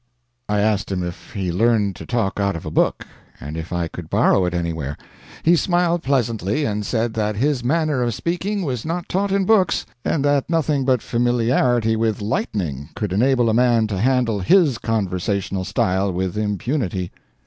I asked him if he learned to talk out of a book, and if I could borrow it anywhere? He smiled pleasantly, and said that his manner of speaking was not taught in books, and thatnothing but familiarity with lightning could enable a man to handle his conversational style with impunity.